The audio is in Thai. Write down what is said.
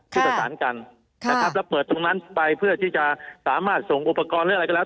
ที่ประสานกันนะครับแล้วเปิดตรงนั้นไปเพื่อที่จะสามารถส่งอุปกรณ์หรืออะไรก็แล้ว